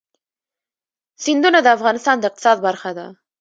سیندونه د افغانستان د اقتصاد برخه ده.